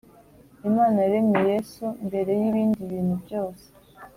Imana yaremye Yesu mbere y ibindi bintu byose